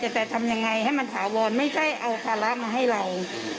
แต่จะทำยังไงให้มันถาวรไม่ใช่เอาภาระมาให้เรา